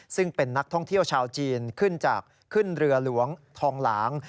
ซึ่งเป็นนักท่องเที่ยวชาวจีนขึ้นจากขึ้นเรือหลวงทองหลาง